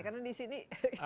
karena di sini